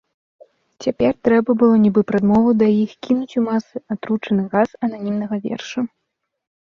Цяпер трэба было, нібы прадмову да іх, кінуць у масы атручаны газ ананімнага верша.